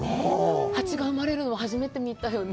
ハチが生まれるの初めて見たよね。